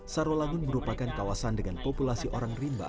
sarolangun merupakan kawasan dengan populasi orang rimba